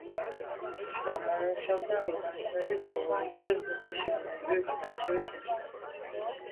იგი გამომუშავდა ორგანიზმების ევოლუციურ პროცესში ბუნებრივი გადარჩევის შედეგად.